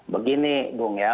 begini bung ya